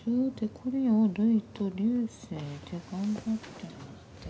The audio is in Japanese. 残りをルイと流星で頑張ってもらって。